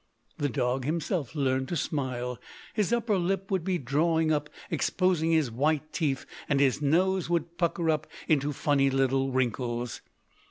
The dog himself learnt to smile; his upper lip would be drawn up exposing his white teeth, and his nose would pucker up into funny little wrinkles.